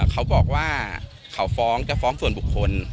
เขาบอกว่าเขาฟ้องจะฟ้องส่วนบุคคล